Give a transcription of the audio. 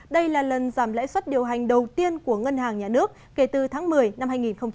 đây là lần giảm lãi suất điều hành đầu tiên của ngân hàng nhà nước kể từ tháng một mươi năm hai nghìn một mươi chín